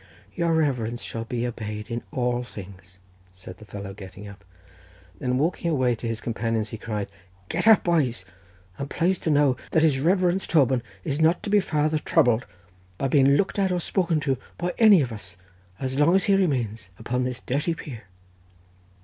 "Your reverence shall be obeyed in all things," said the fellow, getting up. Then walking away to his companions, he cried, "Get up, boys, and plase to know that his reverence Toban is not to be farther troubled by being looked at or spoken to by any one of us, as long as he remains upon this dirty pier."